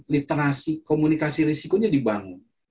literasi komunikasi risikonya dibangun